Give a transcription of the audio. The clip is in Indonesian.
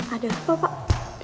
ada apa pak